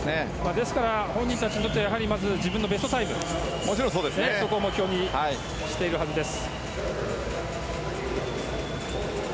ですから本人たちにとってはまず自分のベストタイムを目標にしているはずです。